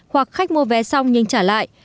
hoặc khách mua vé xong nhưng trả lại